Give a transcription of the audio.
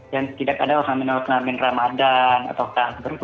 dan tidak ada alhamdulillah min ramadhan atau berburu tajjil atau sejenisnya seperti itu